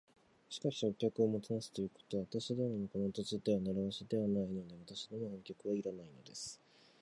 「しかし、お客をもてなすということは、私どものこの土地では慣わしではないので。私どもはお客はいらないのです」